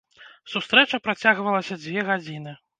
Сустрэча працягвалася дзве гадзіны.